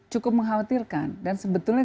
cukup mengkhawatirkan dan sebetulnya